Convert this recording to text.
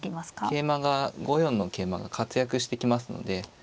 桂馬が５四の桂馬が活躍してきますので。